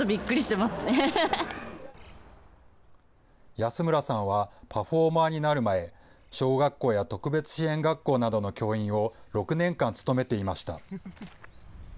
安村さんはパフォーマーになる前、小学校や特別支援学校などの教員を６年間勤めていました。